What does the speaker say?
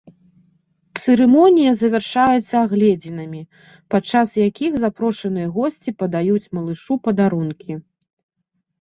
Цырымонія завяршаецца агледзінамі, падчас якіх запрошаныя госці падаюць малышу падарункі.